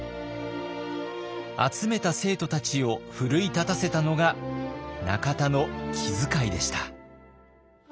集めた生徒たちを奮い立たせたのが中田の気づかいでした。